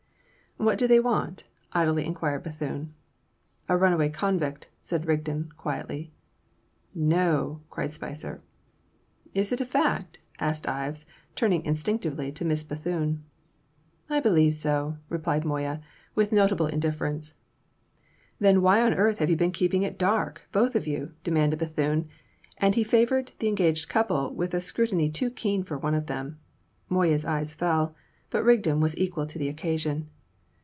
"What do they want?" idly inquired Bethune. "A runaway convict," said Rigden, quietly. "No!" cried Spicer. "Is it a fact?" asked Ives, turning instinctively to Miss Bethune. "I believe so," replied Moya, with notable indifference. "Then why on earth have you been keeping it dark, both of you?" demanded Bethune, and he favoured the engaged couple with a scrutiny too keen for one of them. Moya's eyes fell. But Rigden was equal to the occasion.